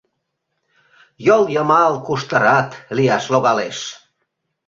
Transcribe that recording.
Йол йымал куштырат лияш логалеш.